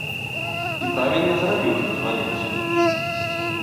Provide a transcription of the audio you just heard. І правільна зрабіў, што зваліўся.